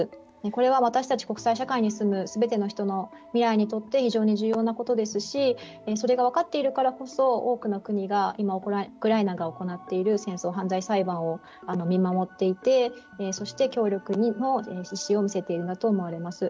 これは私たち国際社会に住むすべての人の未来にとって非常に重要なことですしそれが分かっているからこそ多くの国が今ウクライナが行っている戦争犯罪裁判を見守っていてそして協力の意思を見せているんだと思われます。